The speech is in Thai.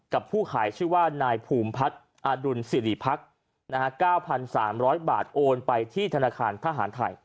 ผู้ขายชื่อว่านายภูมิพัฒน์อดุลสิริพัก๙๓๐๐บาทโอนไปที่ธนาคารทหารไทย